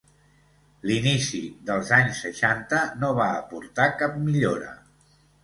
L'inici dels anys seixanta no va aportar cap millora.